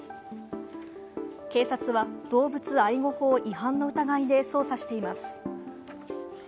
警察は動物愛護法違反の疑いで捜査しています。